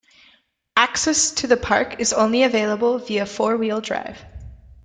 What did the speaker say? Access to the park is only available via four-wheel drive.